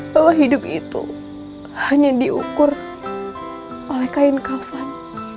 bahwa hidup itu hanya diukur oleh kain kafan